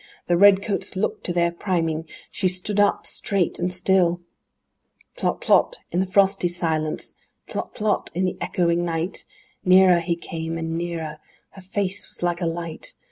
The red coats looked to their priming! She stood up, straight and still! VII Tlot tlot, in the frosty silence! Tlot tlot, in the echoing night! Nearer he came and nearer! Her face was like a light!